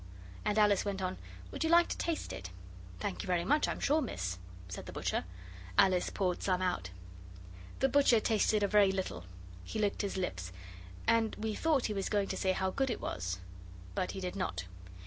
And Alice went on, 'Would you like to taste it?' 'Thank you very much, I'm sure, miss,' said the butcher. Alice poured some out. The butcher tasted a very little. He licked his lips, and we thought he was going to say how good it was. But he did not.